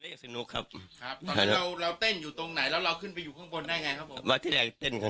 คือเราเรา